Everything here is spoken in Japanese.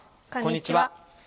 こんにちは。